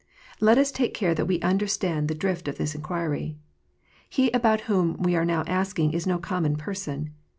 Let us take care that we understand the drift of this inquiry. He about whom we are now asking is no common person.